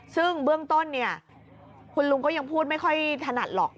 ซึ่งเบื้องต้นเนี่ยคุณลุงก็ยังพูดไม่ค่อยถนัดหรอก